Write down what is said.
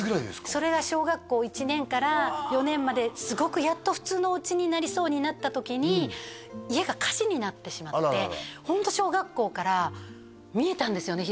それが小学校１年から４年まですごくやっと普通のお家になりそうになった時にあらららホント小学校から見えたんですよね